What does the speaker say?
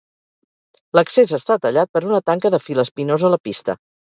L'accés està tallat per una tanca de fil espinós a la pista.